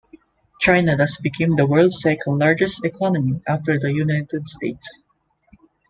China thus became the world's second-largest economy after the United States.